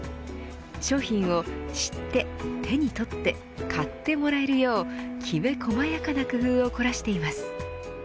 商品を知って、手にとって買ってもらえるようきめ細やかな工夫を凝らしています。